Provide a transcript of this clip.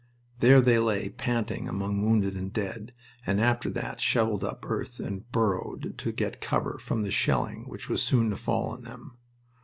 There they lay panting among wounded and dead, and after that shoveled up earth and burrowed to get cover from the shelling which was soon to fall on them.